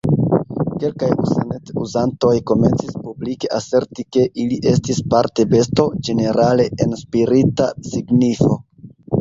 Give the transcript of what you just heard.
Kelkaj Usenet-uzantoj komencis publike aserti ke ili estis parte besto, ĝenerale en spirita signifo.